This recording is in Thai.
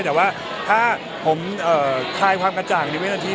แต่ว่าพอผมเอ่อท้ายความกะจ่างในเวตนาที